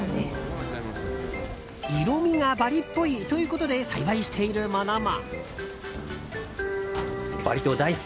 色味がバリっぽいということで栽培しているものも。